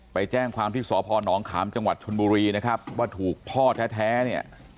ไปแจ้งความที่สพนขามจังหวัดชนบุรีนะครับว่าถูกพ่อแท้เนี่ย